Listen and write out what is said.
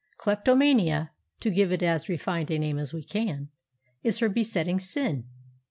Kleptomania (to give it as refined a name as we can) is her besetting sin.